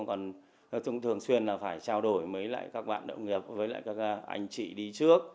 còn chúng tôi thường xuyên là phải trao đổi với các bạn động nghiệp với các anh chị đi trước